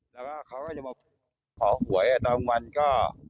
แล้วก็เขาก็จะมาขอหวยตอนวันก็